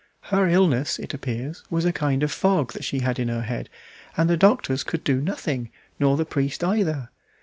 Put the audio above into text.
Her illness, it appears, was a kind of fog that she had in her head, and the doctors could not do anything, nor the priest either.